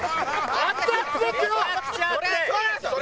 あれ？